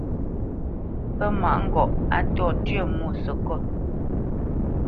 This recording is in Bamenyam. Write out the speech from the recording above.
Pə́ mâʼ ŋgɔʼ a ntô tyə̂ mwo sekot.